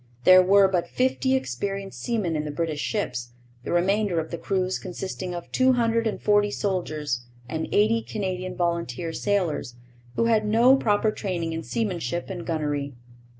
There were but fifty experienced seamen in the British ships, the remainder of the crews consisting of two hundred and forty soldiers and eighty Canadian volunteer sailors, who had no proper training in seamanship and gunnery.